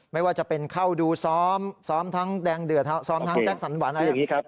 ไม่ว่าจะเป็นเข้าดูซ้อมซ้อมทั้งแดงเดือดซ้อมทั้งแจ็คสันหวันอะไรอย่างนี้ครับ